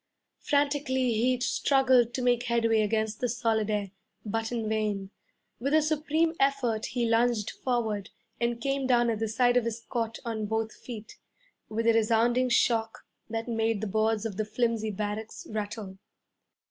Frantically he struggled to make headway against the solid air, but in vain. With a supreme effort he lunged forward and came down at the side of his cot on both feet, with a resounding shock that made the boards of the flimsy barracks rattle.